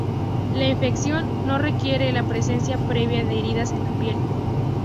La infección no requiere la presencia previa de heridas en la piel.